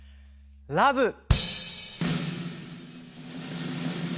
ラブ。